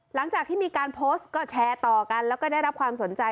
หลังจากที่มีการโพสต์ก็แชร์ต่อกันแล้วก็ได้รับความสนใจ